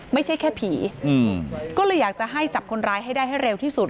ไม่ใช่แค่ผีก็เลยอยากจะให้จับคนร้ายให้ได้ให้เร็วที่สุด